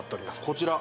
こちら